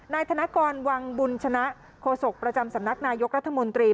นายธนกรวังบุญชนะโฆษกประจำสำนักนายกรัฐมนตรี